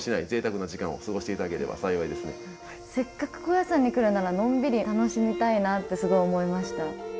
せっかく高野山に来るならのんびり楽しみたいなってすごい思いました。